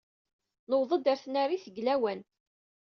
Nuweḍ-d ɣer tnarit deg lawan.